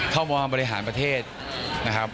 เข้ามาบริหารประเทศนะครับ